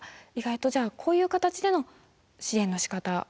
意外とじゃあこういう形での支援のしかた